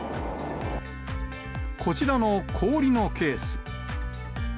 こちらの氷のケース。